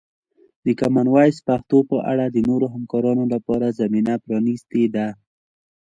د کامن وایس پښتو په اړه د نورو همکاریو لپاره زمینه پرانیستې ده.